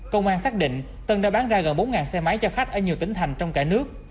công an xác định tân đã bán ra gần bốn xe máy cho khách ở nhiều tỉnh thành trong cả nước